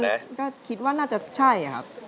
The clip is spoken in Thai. แต่ก็คิดว่าน่าจะใช่